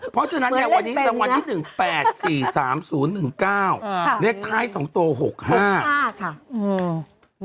เพราะฉะนั้นเนี่ยวันนี้รางวัลที่๑๘๔๓๐๑๙เลขท้าย๒ตัว๖๕๕ค่ะ